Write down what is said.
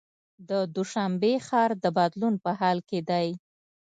د دوشنبې ښار د بدلون په حال کې دی.